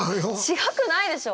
違くないでしょ。